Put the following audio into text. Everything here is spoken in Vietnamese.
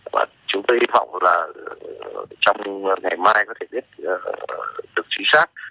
và chúng tôi hy vọng là trong ngày mai có thể biết được chí sát